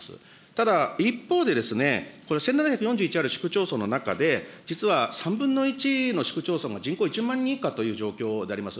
ただ、一方で、１７４１ある市区町村の中で、実は３分の１の市区町村が人口１万人以下という状況であります。